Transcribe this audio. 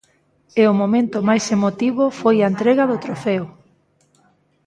E o momento máis emotivo foi a entrega do trofeo.